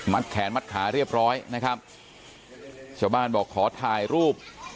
แขนมัดขาเรียบร้อยนะครับชาวบ้านบอกขอถ่ายรูป